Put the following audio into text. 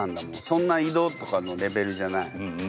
そんな井戸とかのレベルじゃないうん